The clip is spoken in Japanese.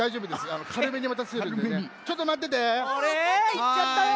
いっちゃったよ